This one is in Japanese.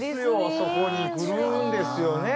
そこに来るんですよね。